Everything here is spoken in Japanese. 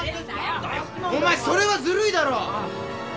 お前それはずるいだろ！